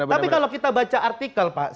tapi kalau kita baca artikel pak